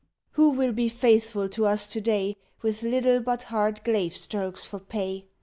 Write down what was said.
Who will be faithful to us to day, With little but hard glaive strokes for pay?